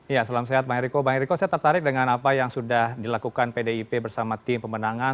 ya salam sehat bang eriko bang eriko saya tertarik dengan apa yang sudah dilakukan pdip bersama tim pemenangan